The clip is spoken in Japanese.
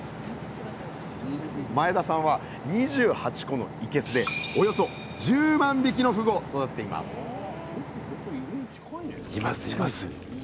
前田さんは２８個のいけすでおよそ１０万匹のふぐを育てています